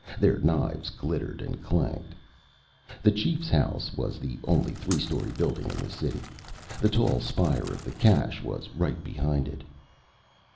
Their knives glittered and clanked. The chief's house was the only three story building in the city. The tall spire of the cache was right behind it.